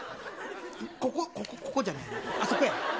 ここ、ここじゃない、あそこや。